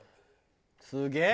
すげえ！